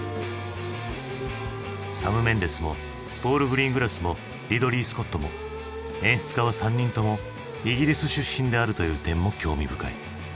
サム・メンデスもポール・グリーングラスもリドリー・スコットも演出家は３人ともイギリス出身であるという点も興味深い。